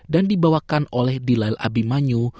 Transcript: dan dibawakan oleh dilail abimanyu